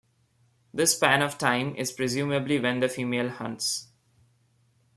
This span of time is presumably when the female hunts.